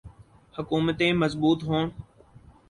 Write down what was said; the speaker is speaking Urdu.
حکومتیں مضبوط ہوں۔